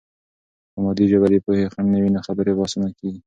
که مادي ژبه د پوهې خنډ نه وي، نو خبرې به آسانه کیږي.